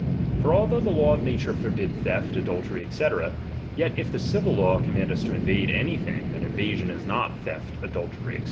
For though the law of nature forbid theft, adultery, &c ; yet if the civil law command us to invade anything, that in vasion is not theft, adultery, &c.